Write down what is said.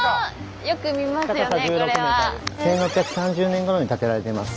１６３０年ごろに建てられています。